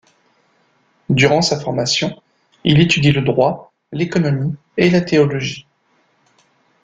Durant sa formation, il étudie le droit, l'économie et la théologie.